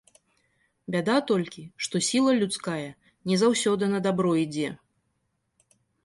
Бяда толькі, што сіла людская не заўсёды на дабро ідзе.